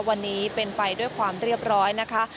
วันนี้เป็นไปด้วยความเรียบร้อยนะคะ